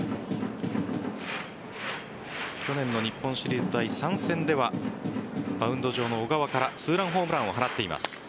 去年の日本シリーズ第３戦ではマウンド上の小川から２ランホームランを放っています。